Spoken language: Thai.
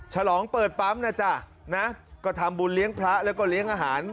ฉลองเปิดปั๊มนะจ๊ะนะก็ทำบุญเลี้ยงพระแล้วก็เลี้ยงอาหาร